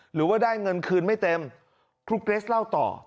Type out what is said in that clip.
หรือว่าได้เงินคืนไม่เต็มครูเกรสเล่าต่อ